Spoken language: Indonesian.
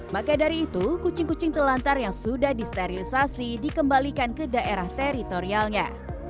maka dari itu kucing kucing telantar yang sudah disterilisasi dikembalikan ke daerah teritorialnya